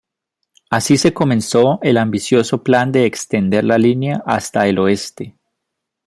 Así se comenzó el ambicioso plan de extender la línea hasta el oeste.